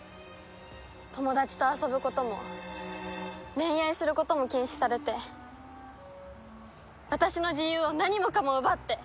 友達と遊ぶことも恋愛することも禁止されて私の自由を何もかも奪って。